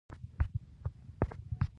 ځغاسته د ارادې پیاوړتیا ښيي